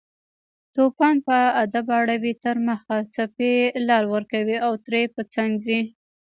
توپان په ادب اړوي تر مخه، څپې لار ورکوي او ترې په څنګ ځي